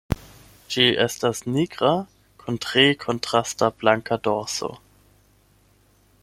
Ĝi estas nigra kun tre kontrasta blanka dorso.